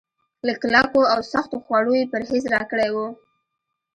له کلکو او سختو خوړو يې پرهېز راکړی و.